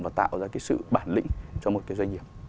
và tạo ra cái sự bản lĩnh cho một cái doanh nghiệp